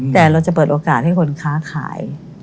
แต่เราจะเปิดโอกาสให้คนค้าขาย